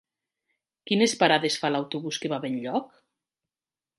Quines parades fa l'autobús que va a Benlloc?